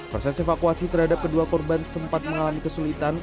proses evakuasi terhadap kedua korban sempat mengalami kesulitan